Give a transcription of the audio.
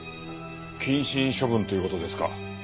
謹慎処分という事ですか？